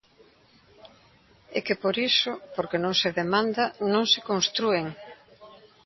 E que por iso, porque non se demanda, non se constrúen.